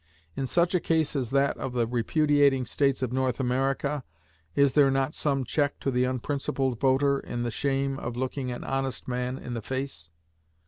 In such a case as that of the repudiating states of North America, is there not some check to the unprincipled voter in the shame of looking an honest man in the face?